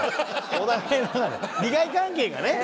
お互い利害関係がね。